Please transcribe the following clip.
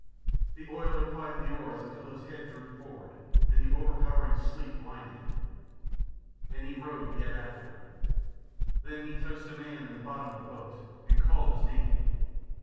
The oiler plied the oars until his head drooped forward, and the overpowering sleep blinded him. And he rowed yet afterward. Then he touched a man in the bottom of the boat, and called his name.